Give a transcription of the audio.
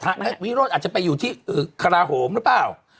ก็อธิบายอะไรก็เดี่ยวข้อสมาธิจะไปอยู่ที่กระโหลหรือเปล่า